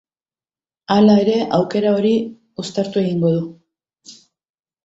Hala ere, aukera hori uztartu egingo du.